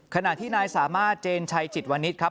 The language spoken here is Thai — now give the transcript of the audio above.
ขณะที่นายสามารถเจนชัยจิตวนิษฐ์ครับ